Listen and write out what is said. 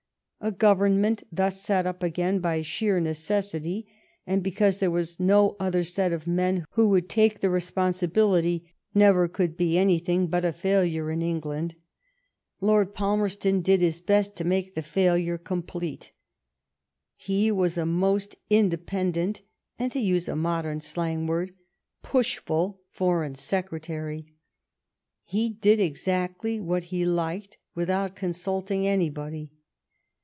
A Govern ment thus set up again by sheer necessity, and be cause there was no other set of men who would take the responsibility, never could be anything but a failure in England. Lord Palmerston did his best to make the failure complete. He was a most inde pendent and, to use a modern slang word, '* push ful " Foreign Secretary. He did exactly what he liked, without consulting anybody.